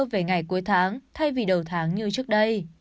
về ngày cuối tháng thay vì đầu tháng như trước đây